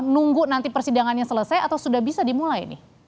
nunggu nanti persidangan yang selesai atau sudah bisa dimulai